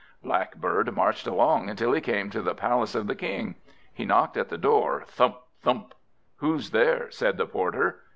Blackbird marched along until he came to the palace of the King. He knocked at the door, thump, thump. "Who's there?" said the Porter.